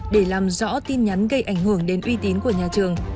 để làm rõ tin nhắn gây ảnh hưởng đến uy tín của nhà trường